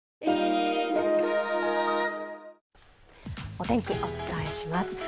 お天気、お伝えします。